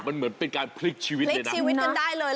มันเหมือนเป็นการพลิกชีวิตเลยนะ